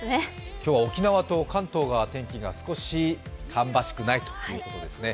今日は沖縄と関東が天気が少し芳しくないということですね。